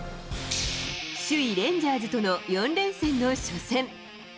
首位レンジャーズとの４連戦の初戦。